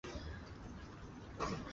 二籽薹草是莎草科薹草属的植物。